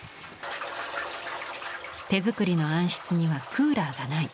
手作りの暗室にはクーラーがない。